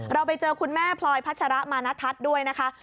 เราไปเจอคุณแม่พลอยพัชระมาณทัศน์ด้วยนะคะ